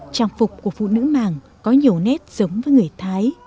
trang phục của phụ nữ mảng có nhiều nét giống với người thái